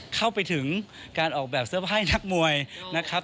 เข้าไปถึงการออกแบบเสื้อผ้านักมวยนะครับ